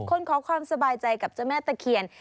ขอความสบายใจกับเจ้าแม่ตะเคียน